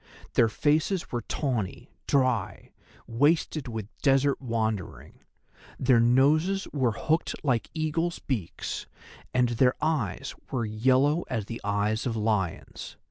Their faces were tawny, dry, wasted with desert wandering; their noses were hooked like eagles' beaks, and their eyes were yellow as the eyes of lions.